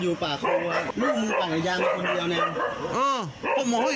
อยู่ปากทูเรื่องมือปั่นอยู่อย่างไหนคนเดียวเนี่ย